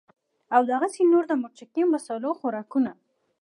او دغسې نور د مرچکي مصالو خوراکونه